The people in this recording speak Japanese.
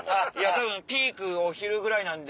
たぶんピークお昼ぐらいなんで。